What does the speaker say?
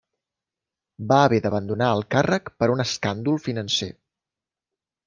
Va haver d'abandonar el càrrec per un escàndol financer.